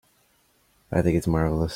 I think it's marvelous.